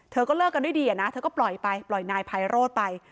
เธอก็เลิกกันด้วยดีอะนะเธอก็ปล่อยไปปล่อยนายไพโรธไป